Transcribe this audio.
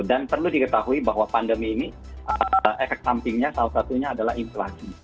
dan perlu diketahui bahwa pandemi ini efek sampingnya salah satunya adalah inflasi